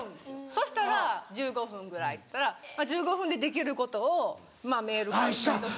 そしたら「１５分ぐらい」って言ったら１５分でできることをメール返したりとか。